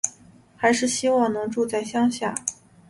还是希望能住在乡下